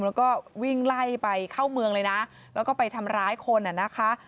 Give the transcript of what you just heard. แล้วก็วิ่งไล่ไปเข้าเมืองเลยนะแล้วก็ไปทำร้ายคนอ่ะนะคะ